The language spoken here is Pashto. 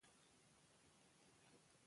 دایمي به دي نظمونه خاطرې کړي